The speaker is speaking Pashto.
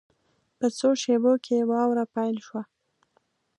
په څو شېبو کې واوره پیل شوه.